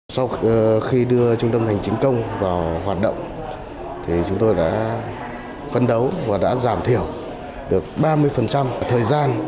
sau khi đưa trung tâm hành chính công vào hoạt động chúng tôi đã phân đấu và đã giảm thiểu được ba mươi thời gian